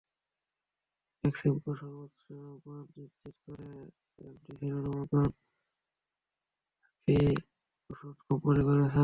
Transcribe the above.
বেক্সিমকো সর্বোচ্চ মান নিশ্চিত করে এফডিএর অনুমোদন পেয়ে ওষুধ রপ্তানি করছে।